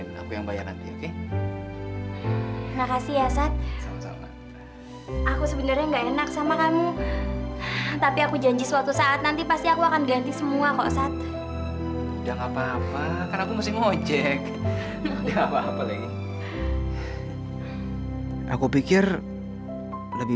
menang undiannya bagus lah